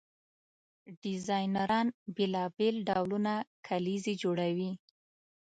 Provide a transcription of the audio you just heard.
ډیزاینران بیلابیل ډولونه کلیزې جوړوي.